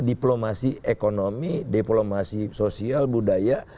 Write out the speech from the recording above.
diplomasi ekonomi diplomasi sosial budaya